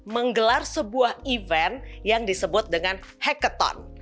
menggelar sebuah event yang disebut dengan hacketon